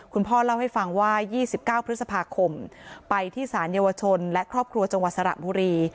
คุณพ่อเล่าให้ฟังว่า๒๙พฤษภาคมไปที่สารเยาวชนและครอบครัวจังหวัดสระบุรี